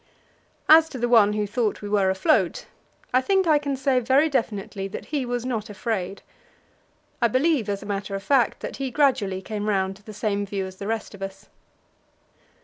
As to the one who thought we were afloat, I think I can say very definitely that he was not afraid. I believe, as a matter of fact, that he gradually came round to the same view as the rest of us.